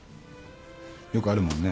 よくあるもんね。